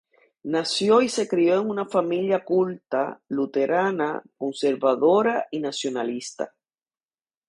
Nació y se crio en una familia culta, luterana, conservadora y nacionalista.